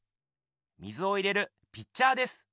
水を入れるピッチャーです。